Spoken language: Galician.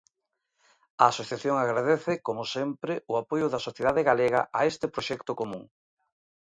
A asociación agradece, como sempre, o apoio da sociedade galega a este proxecto común.